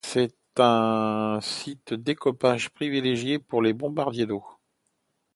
C'est un site d'écopage privilégié pour les bombardiers d'eau.